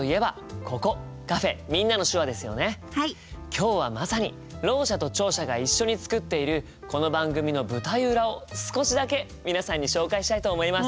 今日はまさにろう者と聴者が一緒に作っているこの番組の舞台裏を少しだけ皆さんに紹介したいと思います。